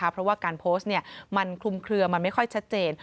เพราะว่าการโพสต์มันคลุมเคลือมันไม่ค่อยชัดเจน